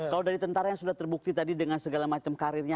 kalau dari tentara yang sudah terbukti tadi dengan segala macam karirnya